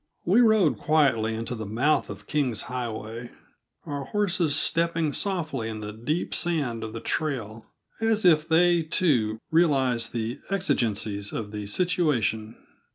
We rode quietly into the mouth of King's Highway, our horses stepping softly in the deep sand of the trail as if they, too, realized the exigencies of the situation.